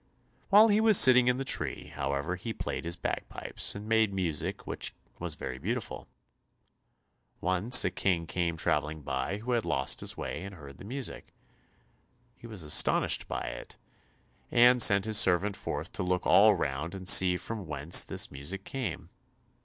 While he was sitting in the tree, however, he played his bagpipes, and made music which was very beautiful. Once a King came travelling by who had lost his way and heard the music. He was astonished at it, and sent his servant forth to look all round and see from whence this music came.